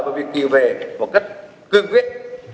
và việc kì về một cách cương viết